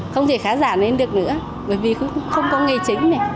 không thể khá giả nên được nữa bởi vì không có nghề chính nè